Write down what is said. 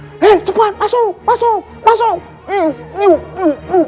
singkat cerita mereka pun masuk ke dalam gua di dalam gua rupanya tempatnya sangat luas